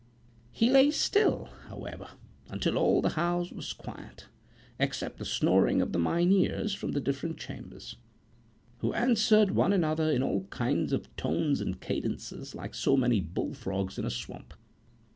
He lay still, however, until all the house was quiet, excepting the snoring of the Mynheers from the different chambers; who answered one another in all kinds of tones and cadences, like so many bull frogs in a swamp.